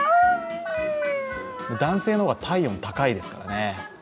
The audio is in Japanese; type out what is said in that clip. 男性の方が体温高いですからね。